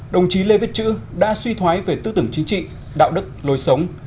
đồng chí lê viết chữ đã suy thoái về tư tưởng chính trị đạo đức lối sống